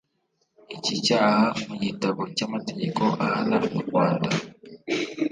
Iki cyaha mu gitabo cy’amategeko ahana mu Rwanda